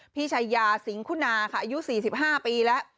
พี่ชายาสิงคุณาค่ะอายุ๔๕ปีแล้ว